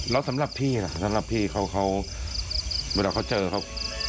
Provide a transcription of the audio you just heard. แล้วสำหรับพี่ล่ะสำหรับพี่เขาเขาเวลาเขาเจอเขา